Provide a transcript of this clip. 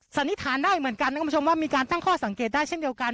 สันนิษฐานได้เหมือนกันนะคุณผู้ชมว่ามีการตั้งข้อสังเกตได้เช่นเดียวกัน